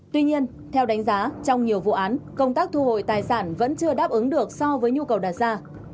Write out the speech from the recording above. tuy nhiên theo đánh giá trong nhiều vụ án công tác thu hồi tài sản vẫn chưa đáp ứng được so với nhu cầu đặt ra